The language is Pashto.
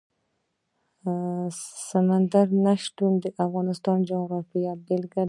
سمندر نه شتون د افغانستان د جغرافیې بېلګه ده.